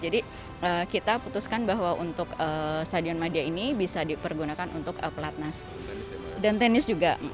jadi kita putuskan bahwa untuk stadion madya ini bisa dipergunakan untuk pelatnas dan tenis juga